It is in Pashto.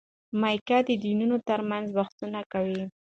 میکا د دینونو ترمنځ بحثونه کوي.